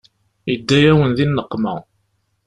Yedda-yawen di nneqma.